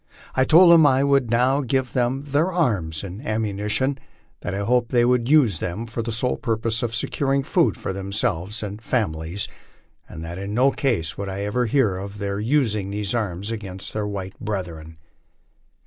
1 told him I would now give them their arms and ammunition; that I hoped they would use them for the sole purpose of securing food for themselves and fami lies, and that in no case would I ever hear of their using these arms against their white brethren.